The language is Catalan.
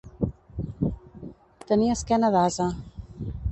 Tenir esquena d'ase.